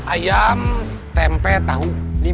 ayam tempe tahu